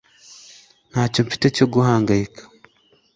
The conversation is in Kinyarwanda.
Ntacyo mfite cyo guhangayika